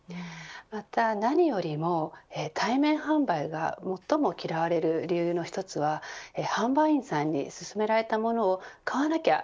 また何よりも対面販売が最も嫌われる理由の一つは販売員さんに勧められたものを買わなきゃ。